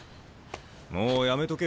もうやめとけよ。